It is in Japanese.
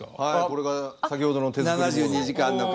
これが先ほどの手作りの。